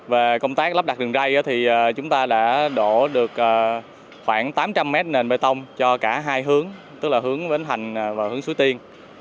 về công tác lắp đặt đường ray thì chúng ta đã đổ được khoảng tám trăm linh mét nền bê tông cho cả hai hướng tức là hướng bến thành và hướng suối tiên